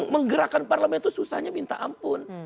menggerakkan parlemen itu susahnya minta ampun